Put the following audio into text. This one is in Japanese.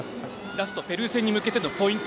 ラストペルー戦に向けてのポイント